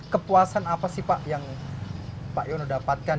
kepuasan apa sih pak yang pak yono dapatkan